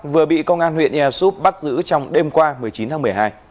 vừa bị công an huyện ea súp bắt giữ trong đêm qua một mươi chín tháng một mươi hai